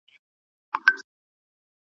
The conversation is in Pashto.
هغه فکر وکړ چې دا سړی د هېټلر يو سخت دښمن دی.